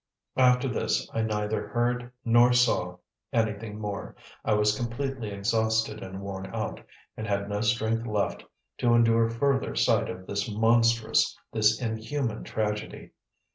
After this I neither heard nor saw anything more. I was completely exhausted and worn out, and had no strength left to endure further sight of this monstrous, this inhuman tragedy.